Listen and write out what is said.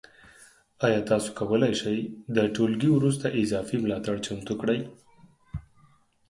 ایا تاسو کولی شئ د ټولګي وروسته اضافي ملاتړ چمتو کړئ؟